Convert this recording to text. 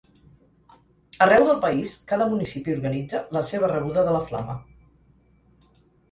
Arreu del país cada municipi organitza la seva rebuda de la flama.